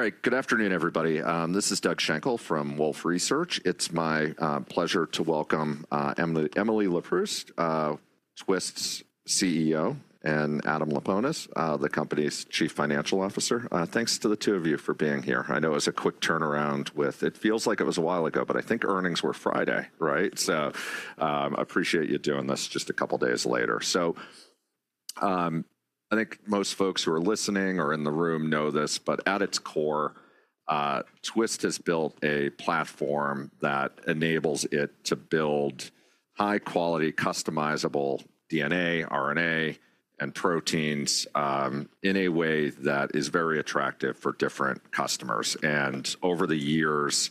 All right, good afternoon, everybody. This is Doug Schenkel from Wolfe Research. It's my pleasure to welcome Emily Leproust, Twist's CEO, and Adam Laponis, the company's Chief Financial Officer. Thanks to the two of you for being here. I know it was a quick turnaround with, it feels like it was a while ago, but I think earnings were Friday, right? I appreciate you doing this just a couple of days later. I think most folks who are listening or in the room know this, but at its core, Twist has built a platform that enables it to build high-quality, customizable DNA, RNA, and proteins in a way that is very attractive for different customers. Over the years,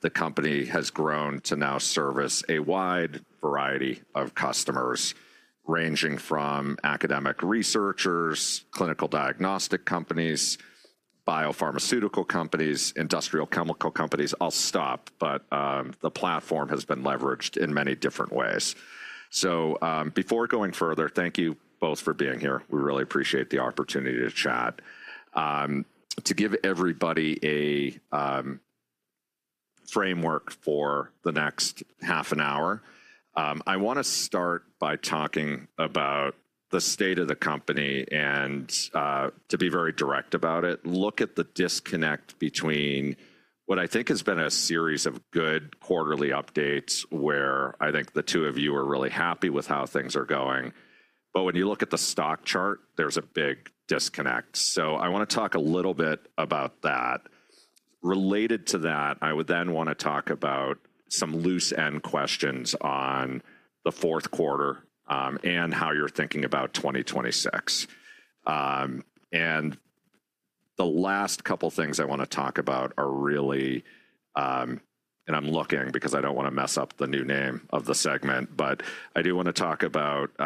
the company has grown to now service a wide variety of customers ranging from academic researchers, clinical diagnostic companies, biopharmaceutical companies, industrial chemical companies. I'll stop, but the platform has been leveraged in many different ways. Before going further, thank you both for being here. We really appreciate the opportunity to chat. To give everybody a framework for the next half an hour, I want to start by talking about the state of the company and, to be very direct about it, look at the disconnect between what I think has been a series of good quarterly updates where I think the two of you are really happy with how things are going. When you look at the stock chart, there's a big disconnect. I want to talk a little bit about that. Related to that, I would then want to talk about some loose-end questions on the fourth quarter and how you're thinking about 2026. The last couple of things I want to talk about are really, and I'm looking because I don't want to mess up the new name of the segment, but I do want to talk about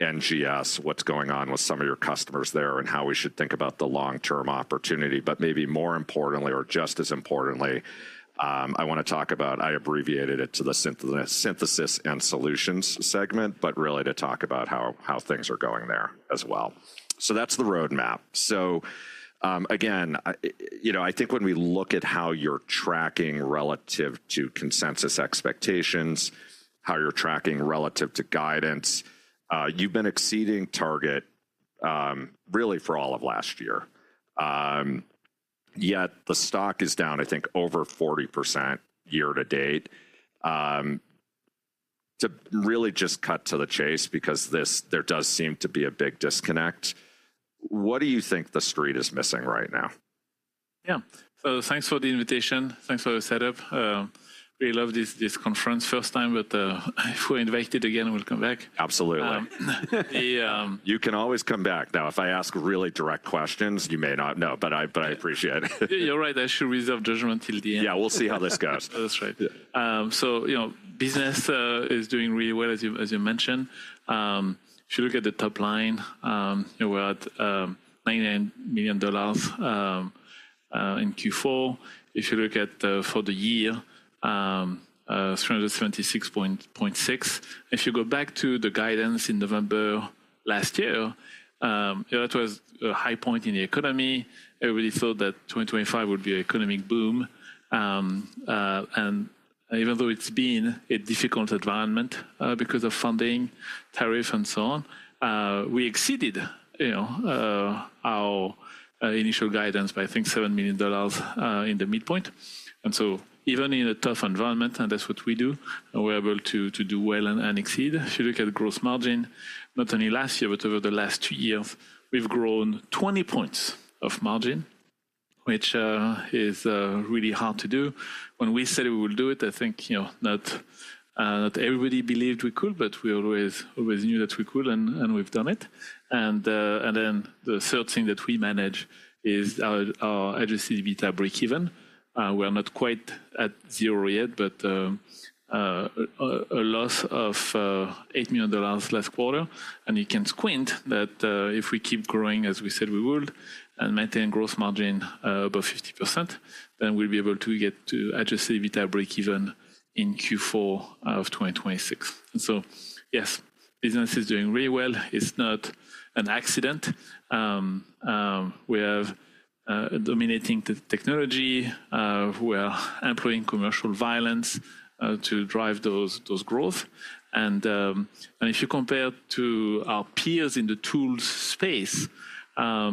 NGS, what's going on with some of your customers there and how we should think about the long-term opportunity. Maybe more importantly, or just as importantly, I want to talk about, I abbreviated it to the synthesis and solutions segment, but really to talk about how things are going there as well. That is the roadmap. Again, I think when we look at how you're tracking relative to consensus expectations, how you're tracking relative to guidance, you've been exceeding target really for all of last year. Yet the stock is down, I think, over 40% year-to-date. To really just cut to the chase because there does seem to be a big disconnect. What do you think the street is missing right now? Yeah. Thanks for the invitation. Thanks for the setup. Really loved this conference, first time, but if we're invited again, we'll come back. Absolutely. You can always come back. Now, if I ask really direct questions, you may not know, but I appreciate it. You're right. I should reserve judgment till the end. Yeah, we'll see how this goes. That's right. Business is doing really well, as you mentioned. If you look at the top line, we're at $99 million in Q4. If you look at for the year, $376.6 million. If you go back to the guidance in November last year, that was a high point in the economy. Everybody thought that 2025 would be an economic boom. Even though it's been a difficult environment because of funding, tariffs, and so on, we exceeded our initial guidance by, I think, $7 million in the midpoint. Even in a tough environment, and that's what we do, we're able to do well and exceed. If you look at gross margin, not only last year, but over the last two years, we've grown 20 percentage points of margin, which is really hard to do. When we said we would do it, I think not everybody believed we could, but we always knew that we could, and we've done it. The third thing that we manage is our adjusted EBITDA break-even. We're not quite at zero yet, but a loss of $8 million last quarter. You can squint that if we keep growing, as we said we would, and maintain gross margin above 50%, then we'll be able to get to adjusted EBITDA break-even in Q4 of 2026. Yes, business is doing really well. It's not an accident. We have dominating technology. We are employing commercial violence to drive those growth. If you compare to our peers in the tools space, our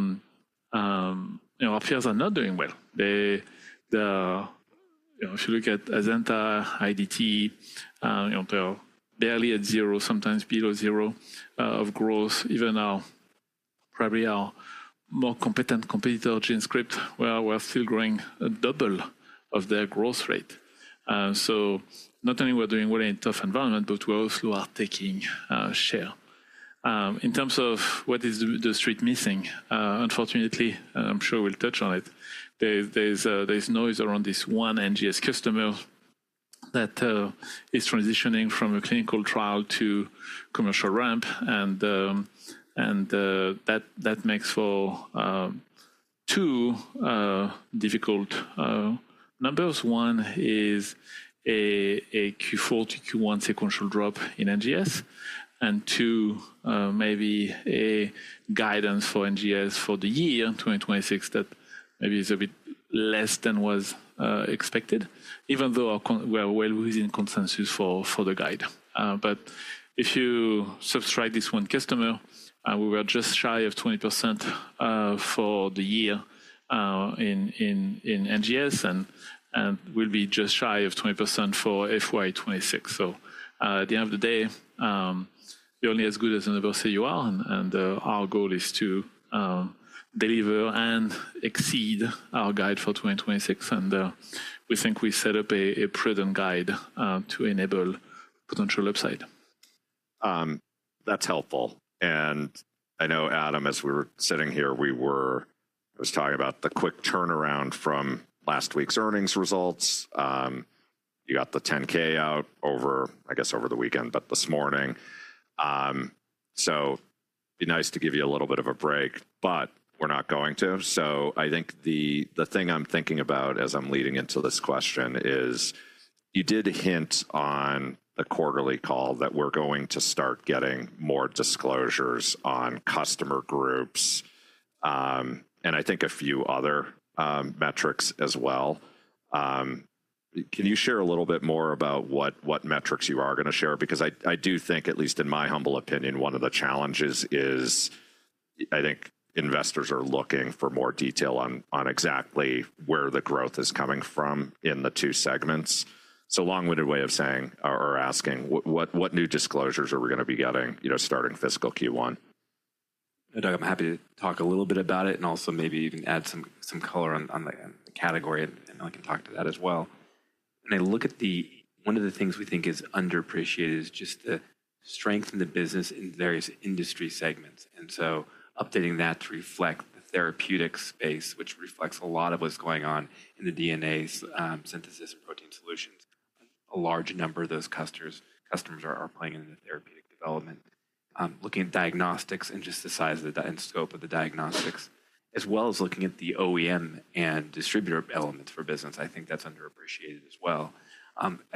peers are not doing well. If you look at Azenta, IDT, they're barely at zero, sometimes below zero of growth. Even probably our more competent competitor, GenScript, we're still growing double of their growth rate. Not only are we doing well in a tough environment, but we also are taking share. In terms of what is the street missing, unfortunately, and I'm sure we'll touch on it, there's noise around this one NGS customer that is transitioning from a clinical trial to commercial ramp. That makes for two difficult numbers. One is a Q4 to Q1 sequential drop in NGS, and two, maybe a guidance for NGS for the year, 2026, that maybe is a bit less than was expected, even though we're well within consensus for the guide. If you subscribe this one customer, we were just shy of 20% for the year in NGS, and we'll be just shy of 20% for FY 2026. At the end of the day, you're only as good as others say you are. Our goal is to deliver and exceed our guide for 2026. We think we set up a prudent guide to enable potential upside. That's helpful. I know, Adam, as we were sitting here, I was talking about the quick turnaround from last week's earnings results. You got the 10-K out over, I guess, over the weekend, but this morning. It'd be nice to give you a little bit of a break, but we're not going to. I think the thing I'm thinking about as I'm leading into this question is you did hint on the quarterly call that we're going to start getting more disclosures on customer groups and I think a few other metrics as well. Can you share a little bit more about what metrics you are going to share? I do think, at least in my humble opinion, one of the challenges is I think investors are looking for more detail on exactly where the growth is coming from in the two segments. Long-winded way of saying or asking, what new disclosures are we going to be getting starting fiscal Q1? I'm happy to talk a little bit about it and also maybe even add some color on the category, and I can talk to that as well. When I look at the, one of the things we think is underappreciated is just the strength in the business in various industry segments. Updating that to reflect the therapeutic space, which reflects a lot of what's going on in the DNA synthesis and protein solutions. A large number of those customers are playing into therapeutic development. Looking at diagnostics and just the size of the scope of the diagnostics, as well as looking at the OEM and distributor elements for business, I think that's underappreciated as well.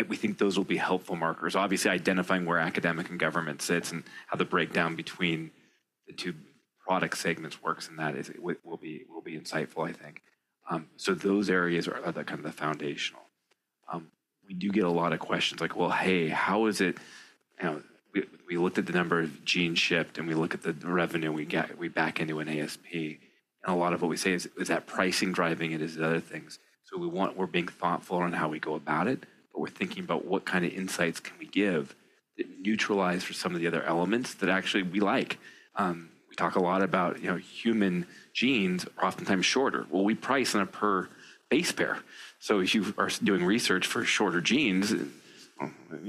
We think those will be helpful markers. Obviously, identifying where academic and government sits and how the breakdown between the two product segments works in that will be insightful, I think. Those areas are kind of the foundational. We do get a lot of questions like, well, hey, how is it? We looked at the number of genes shipped, and we look at the revenue. We back into an ASP. A lot of what we say is that pricing driving it is other things. We are being thoughtful on how we go about it, but we are thinking about what kind of insights can we give that neutralize for some of the other elements that actually we like. We talk a lot about human genes are oftentimes shorter. We price on a per base pair. If you are doing research for shorter genes, you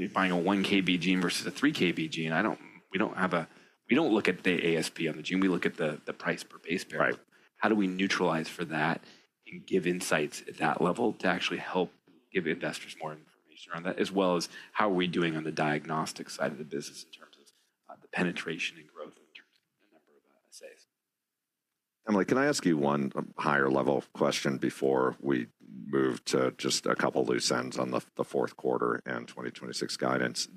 are buying a 1 kB gene versus a 3 kB gene, we do not have a, we do not look at the ASP on the gene. We look at the price per base pair. How do we neutralize for that and give insights at that level to actually help give investors more information around that, as well as how are we doing on the diagnostic side of the business in terms of the penetration and growth in terms of the number of assays? Emily, can I ask you one higher level question before we move to just a couple of loose ends on the fourth quarter and 2026 guidance?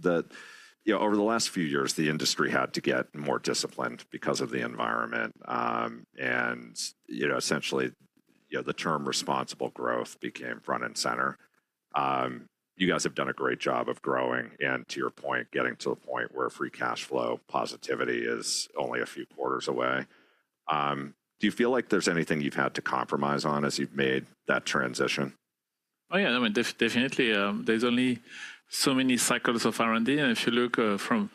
Over the last few years, the industry had to get more disciplined because of the environment. Essentially, the term responsible growth became front and center. You guys have done a great job of growing and, to your point, getting to the point where free cash flow positivity is only a few quarters away. Do you feel like there's anything you've had to compromise on as you've made that transition? Oh, yeah. I mean, definitely. There's only so many cycles of R&D. And if you look from,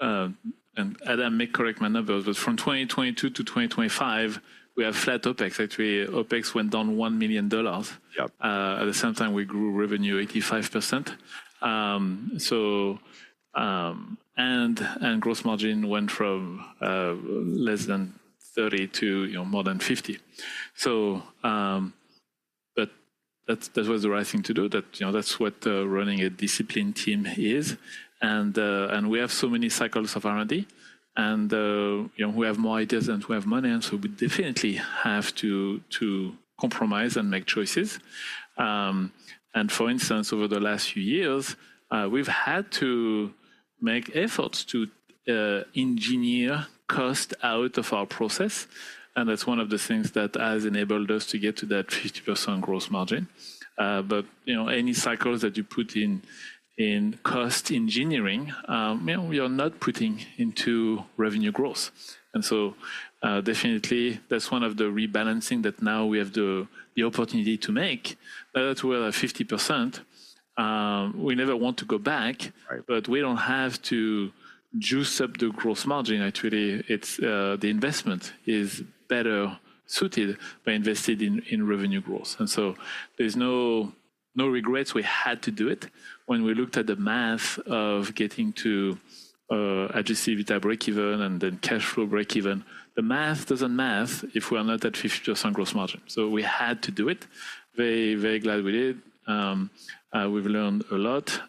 and Adam may correct my number, but from 2022 to 2025, we have flat OpEx. Actually, OpEx went down $1 million. At the same time, we grew revenue 85%. And gross margin went from less than 30% to more than 50%. But that was the right thing to do. That's what running a disciplined team is. And we have so many cycles of R&D. And we have more ideas than we have money. And so we definitely have to compromise and make choices. And for instance, over the last few years, we've had to make efforts to engineer cost out of our process. And that's one of the things that has enabled us to get to that 50% gross margin. Any cycles that you put in cost engineering, we are not putting into revenue growth. Definitely, that's one of the rebalancing that now we have the opportunity to make. That's where the 50%, we never want to go back, but we do not have to juice up the gross margin. Actually, the investment is better suited by investing in revenue growth. There are no regrets. We had to do it. When we looked at the math of getting to agility beta break-even and then cash flow break-even, the math does not math if we are not at 50% gross margin. We had to do it. Very, very glad we did. We have learned a lot.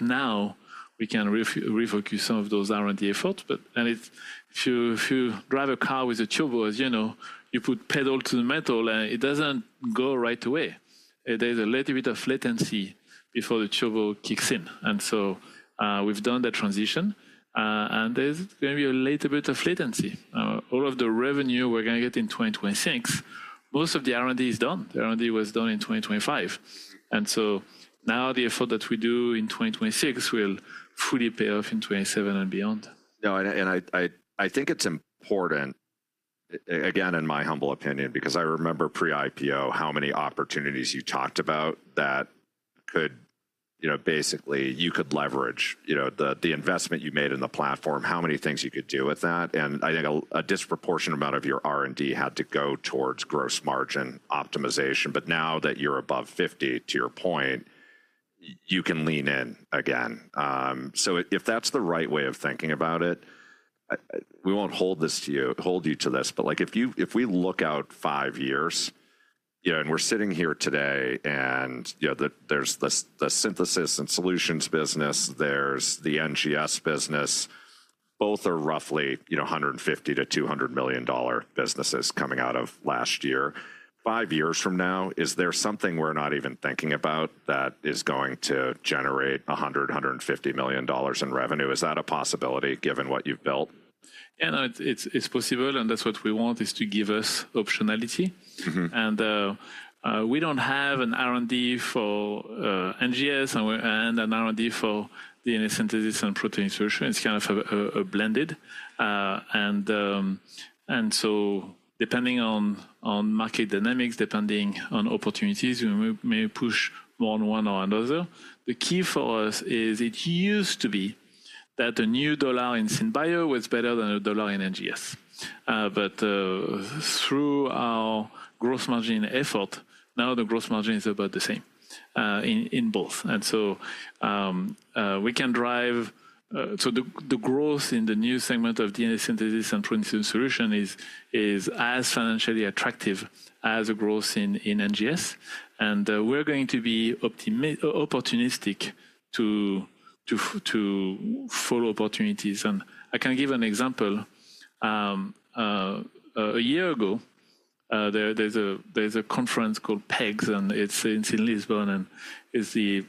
Now we can refocus some of those R&D efforts. If you drive a car with a turbo, as you know, you put pedal to the metal, and it does not go right away. There is a little bit of latency before the turbo kicks in. We have done that transition. There is going to be a little bit of latency. All of the revenue we are going to get in 2026, most of the R&D is done. The R&D was done in 2025. The effort that we do in 2026 will fully pay off in 2027 and beyond. Yeah. I think it's important, again, in my humble opinion, because I remember pre-IPO how many opportunities you talked about that could basically, you could leverage the investment you made in the platform, how many things you could do with that. I think a disproportionate amount of your R&D had to go towards gross margin optimization. Now that you're above 50%, to your point, you can lean in again. If that's the right way of thinking about it, we won't hold you to this. If we look out five years, and we're sitting here today, and there's the synthesis and solutions business, there's the NGS business, both are roughly $150 million-$200 million businesses coming out of last year. Five years from now, is there something we're not even thinking about that is going to generate $100 million-$150 million in revenue? Is that a possibility given what you've built? Yeah, it's possible. That's what we want is to give us optionality. We don't have an R&D for NGS and an R&D for DNA synthesis and protein solution. It's kind of blended. Depending on market dynamics, depending on opportunities, we may push more on one or another. The key for us is it used to be that a new dollar in synbio was better than a dollar in NGS. Through our gross margin effort, now the gross margin is about the same in both. We can drive. The growth in the new segment of DNA synthesis and protein solution is as financially attractive as the growth in NGS. We're going to be opportunistic to follow opportunities. I can give an example. A year ago, there's a conference called PEGS, and it's in Lisbon, and it's the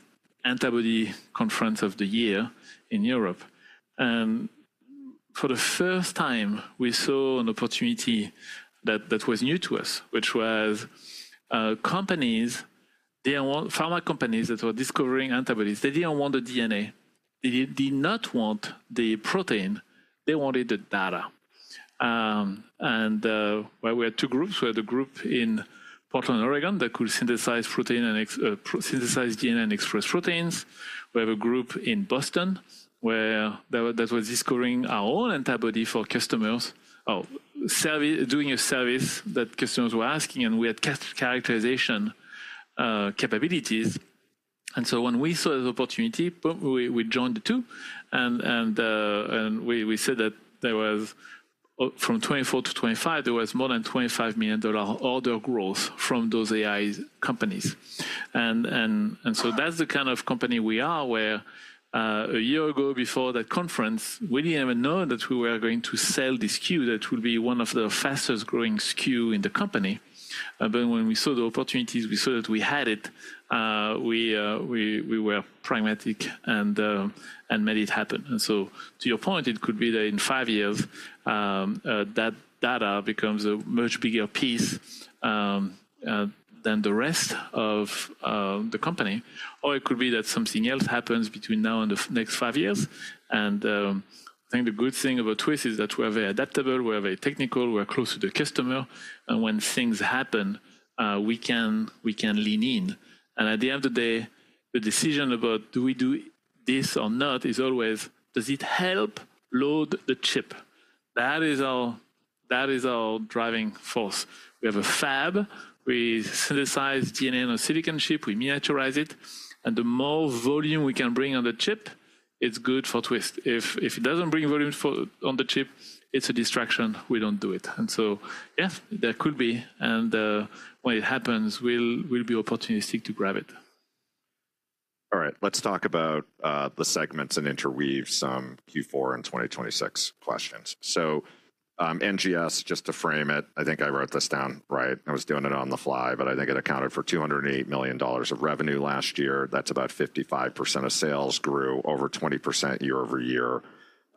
antibody conference of the year in Europe. For the first time, we saw an opportunity that was new to us, which was companies, pharma companies that were discovering antibodies, they didn't want the DNA. They did not want the protein. They wanted the data. We had two groups. We had a group in Portland, Oregon, that could synthesize protein and synthesize DNA and express proteins. We have a group in Boston where that was discovering our own antibody for customers, doing a service that customers were asking, and we had characterization capabilities. When we saw the opportunity, we joined the two. We said that there was, from 2024 to 2025, there was more than $25 million order growth from those AI companies. That is the kind of company we are where a year ago before that conference, we did not even know that we were going to sell this SKU that would be one of the fastest growing SKU in the company. When we saw the opportunities, we saw that we had it. We were pragmatic and made it happen. To your point, it could be that in five years, that data becomes a much bigger piece than the rest of the company. It could be that something else happens between now and the next five years. I think the good thing about Twist is that we are very adaptable. We are very technical. We are close to the customer. When things happen, we can lean in. At the end of the day, the decision about do we do this or not is always, does it help load the chip? That is our driving force. We have a fab. We synthesize DNA on a silicon chip. We miniaturize it. The more volume we can bring on the chip, it's good for Twist. If it doesn't bring volume on the chip, it's a distraction. We don't do it. Yeah, there could be. When it happens, we'll be opportunistic to grab it. All right. Let's talk about the segments and interweave some Q4 and 2026 questions. NGS, just to frame it, I think I wrote this down right. I was doing it on the fly, but I think it accounted for $208 million of revenue last year. That's about 55% of sales, grew over 20% year-over-year.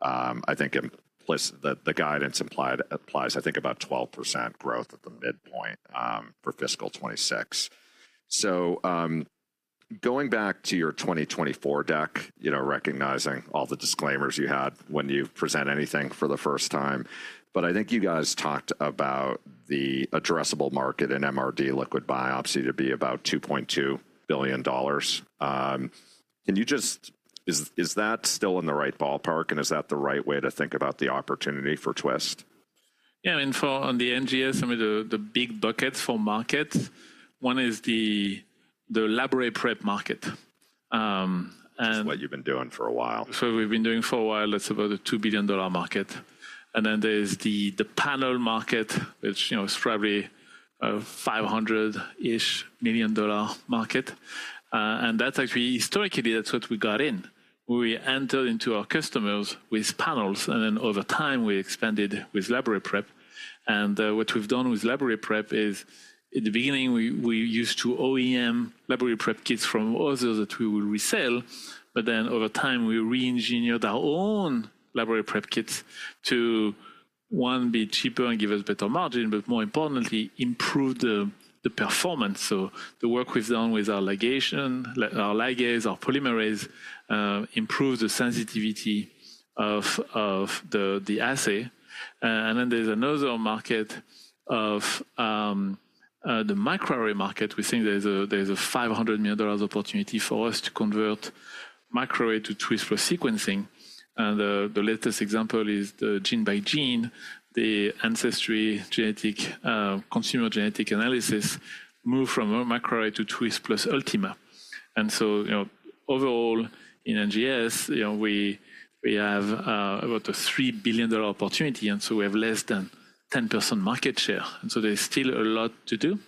I think the guidance implies, I think, about 12% growth at the midpoint for fiscal 2026. Going back to your 2024 deck, recognizing all the disclaimers you had when you present anything for the first time. I think you guys talked about the addressable market in MRD liquid biopsy to be about $2.2 billion. Can you just, is that still in the right ballpark? And is that the right way to think about the opportunity for Twist? Yeah. I mean, for the NGS, I mean, the big buckets for markets, one is the Library Prep market. That's what you've been doing for a while. That's what we've been doing for a while. That's about a $2 billion market. Then there's the panel market, which is probably a $500 million market. That's actually, historically, what we got in. We entered into our customers with panels. Over time, we expanded with Library Prep. What we've done with Library Prep is, in the beginning, we used to OEM Library Prep kits from others that we would resell. Over time, we re-engineered our own Library Prep kits to, one, be cheaper and give us better margin, but more importantly, improve the performance. The work we've done with our ligase, our polymerase, improves the sensitivity of the assay. There's another market, the microarray market. We think there's a $500 million opportunity for us to convert microarray to Twist Plus sequencing. The latest example is the gene by gene, the ancestry genetic consumer genetic analysis moved from a microarray to Twist Plus Ultima. Overall, in NGS, we have about a $3 billion opportunity. We have less than 10% market share. There is still a lot to do.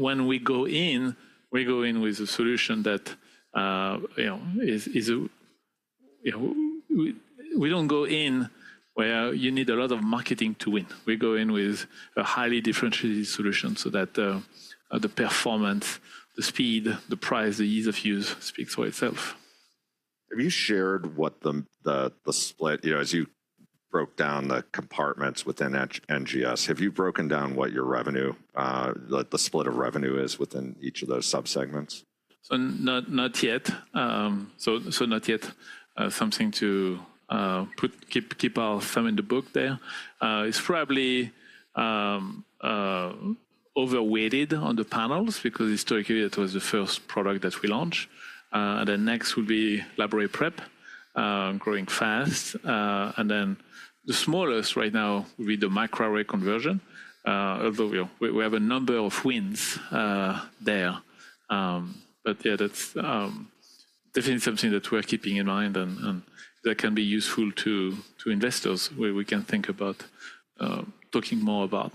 When we go in, we go in with a solution that is, we do not go in where you need a lot of marketing to win. We go in with a highly differentiated solution so that the performance, the speed, the price, the ease of use speaks for itself. Have you shared what the split, as you broke down the compartments within NGS, have you broken down what your revenue, the split of revenue is within each of those subsegments? Not yet. Not yet, something to keep our thumb in the book there. It's probably overweighted on the panels because historically, it was the first product that we launched. The next will be Library Prep, growing fast. The smallest right now will be the microarray conversion, although we have a number of wins there. Yeah, that's definitely something that we're keeping in mind and that can be useful to investors where we can think about talking more about.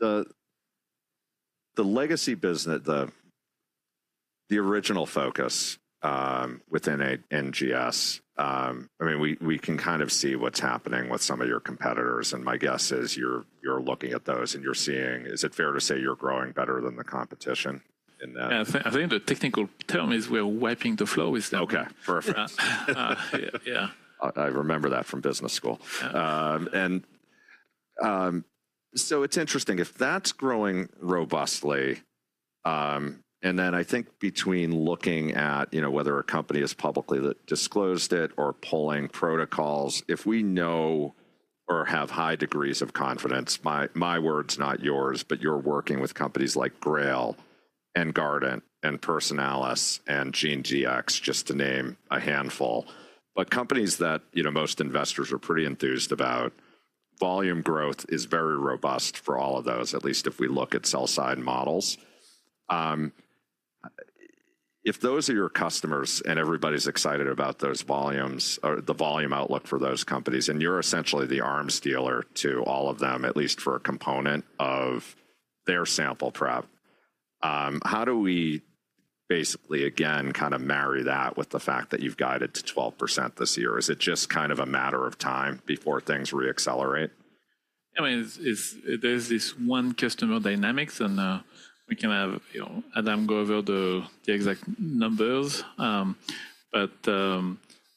The legacy business, the original focus within NGS, I mean, we can kind of see what's happening with some of your competitors. My guess is you're looking at those and you're seeing, is it fair to say you're growing better than the competition in that? Yeah. I think the technical term is we're wiping the floor with them. Okay. Perfect. Yeah. I remember that from business school. And so it's interesting. If that's growing robustly, and then I think between looking at whether a company has publicly disclosed it or pulling protocols, if we know or have high degrees of confidence, my words, not yours, but you're working with companies like GRAIL and Guardant and Personalis and GeneGX, just to name a handful, but companies that most investors are pretty enthused about, volume growth is very robust for all of those, at least if we look at sell-side models. If those are your customers and everybody's excited about those volumes, the volume outlook for those companies, and you're essentially the arms dealer to all of them, at least for a component of their sample prep, how do we basically, again, kind of marry that with the fact that you've guided to 12% this year? Is it just kind of a matter of time before things reaccelerate? I mean, there's this one customer dynamics, and we can have Adam go over the exact numbers.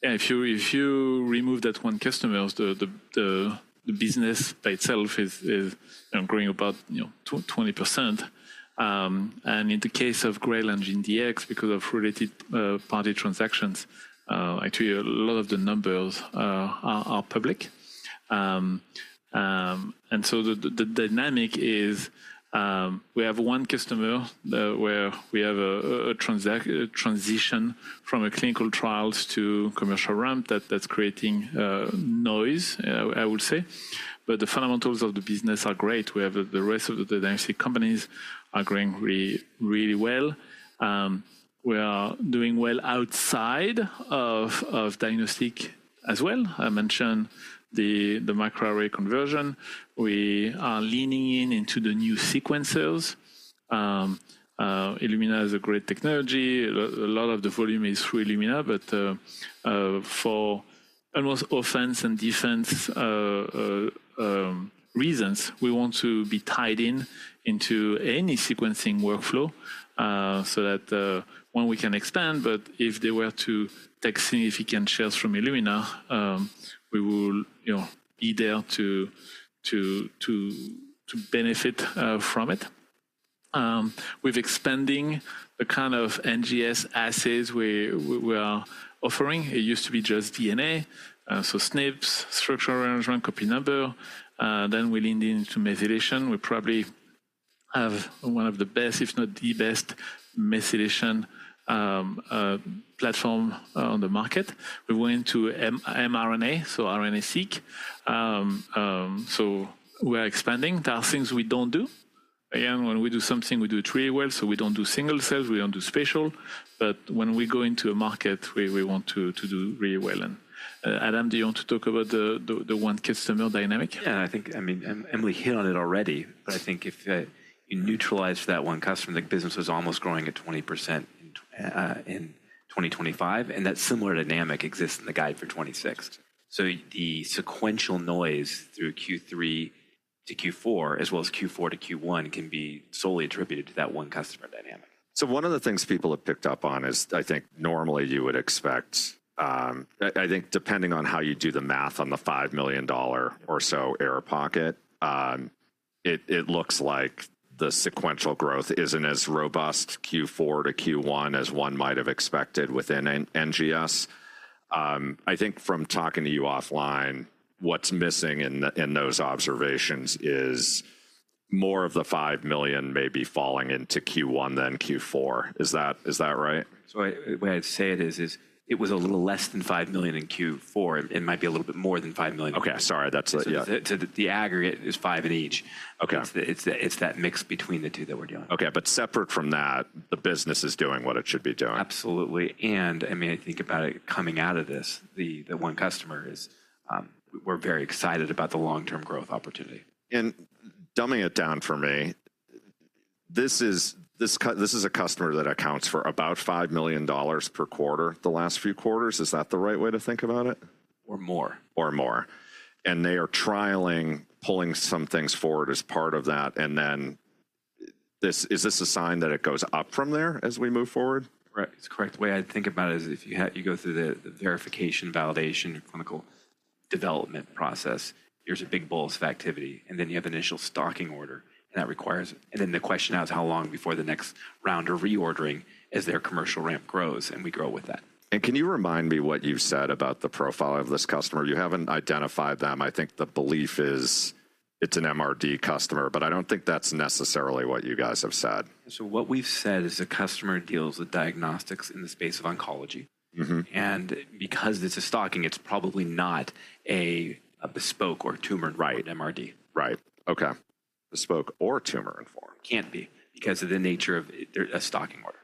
If you remove that one customer, the business by itself is growing about 20%. In the case of GRAIL and GenScript, because of related party transactions, actually, a lot of the numbers are public. The dynamic is we have one customer where we have a transition from a clinical trials to commercial ramp that's creating noise, I would say. The fundamentals of the business are great. We have the rest of the dynamic companies are growing really, really well. We are doing well outside of diagnostic as well. I mentioned the microarray conversion. We are leaning into the new sequencers. Illumina is a great technology. A lot of the volume is through Illumina, but for almost offense and defense reasons, we want to be tied in into any sequencing workflow so that when we can expand, but if they were to take significant shares from Illumina, we will be there to benefit from it. With expanding the kind of NGS assets we are offering, it used to be just DNA, so SNPs, structural arrangement, copy number. Then we leaned into methylation. We probably have one of the best, if not the best, methylation platform on the market. We went to mRNA, so RNA-seq. We are expanding. There are things we do not do. Again, when we do something, we do it really well. We do not do single cells. We do not do spatial. When we go into a market, we want to do really well. Adam, do you want to talk about the one customer dynamic? Yeah. I think, I mean, Emily hit on it already, but I think if you neutralize that one customer, the business was almost growing at 20% in 2025. That similar dynamic exists in the guide for 2026. The sequential noise through Q3 to Q4, as well as Q4 to Q1, can be solely attributed to that one customer dynamic. One of the things people have picked up on is, I think normally you would expect, I think depending on how you do the math on the $5 million or so air pocket, it looks like the sequential growth is not as robust Q4 to Q1 as one might have expected within NGS. I think from talking to you offline, what is missing in those observations is more of the $5 million may be falling into Q1 than Q4. Is that right? The way I'd say it is, it was a little less than $5 million in Q4. It might be a little bit more than $5 million. Okay. Sorry. That's it. Yeah. The aggregate is five in each. It's that mix between the two that we're doing. Okay. Separate from that, the business is doing what it should be doing. Absolutely. I mean, I think about it coming out of this, the one customer is, we're very excited about the long-term growth opportunity. Dumbing it down for me, this is a customer that accounts for about $5 million per quarter the last few quarters. Is that the right way to think about it? Or more. Or more. They are trialing, pulling some things forward as part of that. Is this a sign that it goes up from there as we move forward? Correct. It's correct. The way I think about it is if you go through the verification, validation, clinical development process, there's a big bulge of activity. You have initial stocking order. That requires, and then the question now is how long before the next round of reordering as their commercial ramp grows and we grow with that. Can you remind me what you've said about the profile of this customer? You haven't identified them. I think the belief is it's an MRD customer, but I don't think that's necessarily what you guys have said. What we've said is the customer deals with diagnostics in the space of oncology. Because it's a stocking, it's probably not a bespoke or tumor MRD. Right. Okay. Bespoke or tumor. Can't be because of the nature of a stocking order.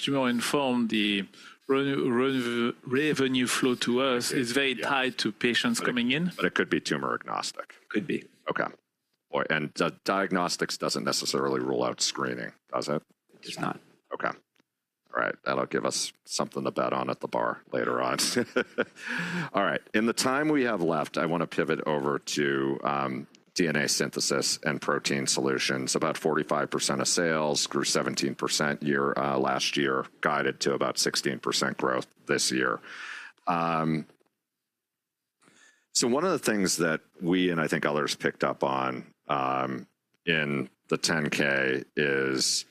Tumor-informed, the revenue flow to us is very tied to patients coming in. It could be tumor-agnostic. Could be. Okay. Diagnostics doesn't necessarily rule out screening, does it? It does not. Okay. All right. That'll give us something to bet on at the bar later on. All right. In the time we have left, I want to pivot over to DNA synthesis and protein solutions. About 45% of sales grew 17% last year, guided to about 16% growth this year. One of the things that we and I think others picked up on in the 10-K is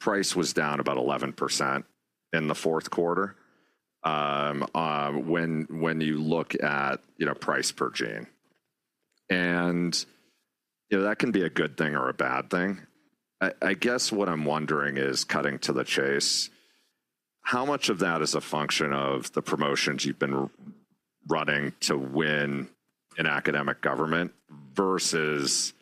price was down about 11% in the fourth quarter when you look at price per gene. That can be a good thing or a bad thing. I guess what I'm wondering is, cutting to the chase, how much of that is a function of the promotions you've been running to win in academic government versus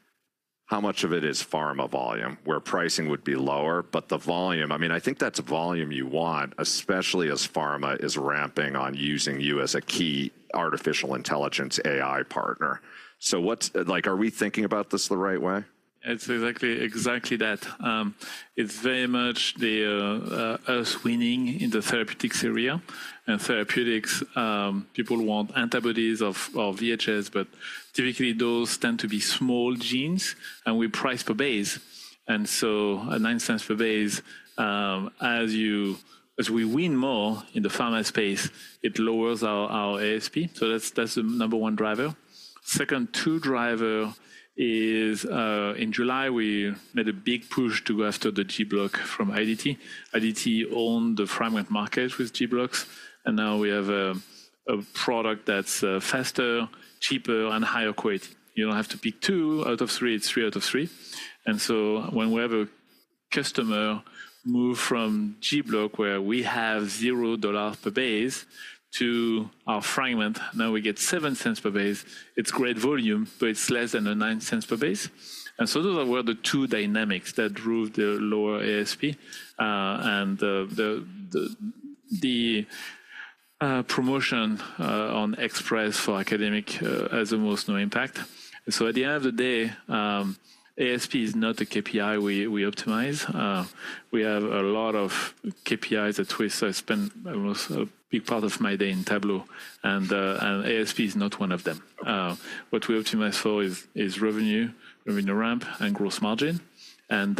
how much of it is pharma volume where pricing would be lower, but the volume, I mean, I think that's volume you want, especially as pharma is ramping on using you as a key artificial intelligence AI partner. Are we thinking about this the right way? It's exactly that. It's very much the earth's winning in the therapeutics area. In therapeutics, people want antibodies or VHHs, but typically those tend to be small genes. We price per base. At $0.09 per base, as we win more in the pharma space, it lowers our ASP. That's the number one driver. The second driver is in July, we made a big push to go after the gBlocks from IDT. IDT owned the fragment market with gBlocks. Now we have a product that's faster, cheaper, and higher quality. You don't have to pick two out of three. It's three out of three. When we have a customer move from gBlock, where we have $0 per base, to our fragment, now we get $0.07 per base. It's great volume, but it's less than $0.09 per base. Those were the two dynamics that drove the lower ASP. The promotion on Express for academic has almost no impact. At the end of the day, ASP is not a KPI we optimize. We have a lot of KPIs at Twist. I spend almost a big part of my day in Tableau. ASP is not one of them. What we optimize for is revenue, revenue ramp, and gross margin. In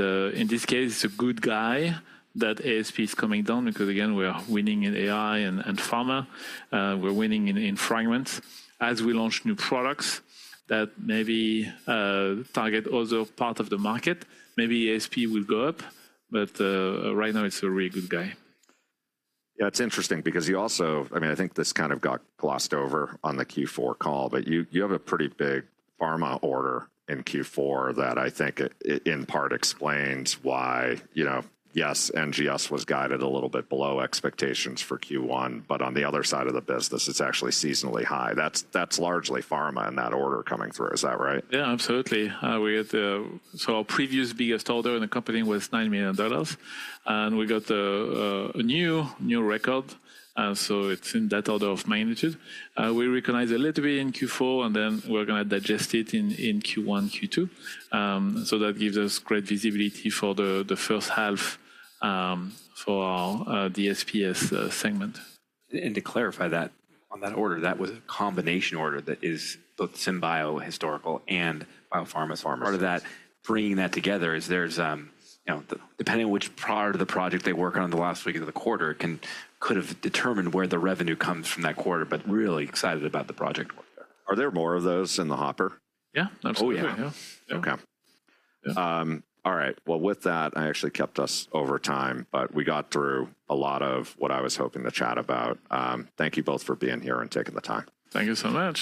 this case, it's a good guy that ASP is coming down because, again, we are winning in AI and pharma. We're winning in fragments. As we launch new products that maybe target other parts of the market, maybe ASP will go up. Right now, it's a really good guy. Yeah. It's interesting because you also, I mean, I think this kind of got glossed over on the Q4 call, but you have a pretty big pharma order in Q4 that I think in part explains why, yes, NGS was guided a little bit below expectations for Q1, but on the other side of the business, it's actually seasonally high. That's largely pharma in that order coming through. Is that right? Yeah, absolutely. Our previous biggest order in the company was $9 million. We got a new record, and it is in that order of magnitude. We recognize a little bit in Q4, and then we are going to digest it in Q1, Q2. That gives us great visibility for the first half for our DSPS segment. To clarify that, on that order, that was a combination order that is both synbio, historical, and biopharma. Part of that, bringing that together is there's, depending on which part of the project they work on the last week of the quarter, it could have determined where the revenue comes from that quarter, but really excited about the project work there. Are there more of those in the hopper? Yeah. Absolutely. Oh, yeah. Okay. All right. With that, I actually kept us over time, but we got through a lot of what I was hoping to chat about. Thank you both for being here and taking the time. Thank you so much.